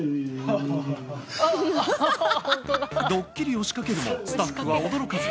ドッキリを仕掛けるもスタッフは驚かず。